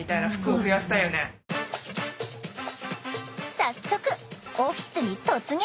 早速オフィスに突撃！